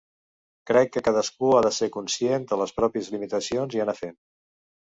Crec que cadascú ha de ser conscient de les pròpies limitacions i anar fent.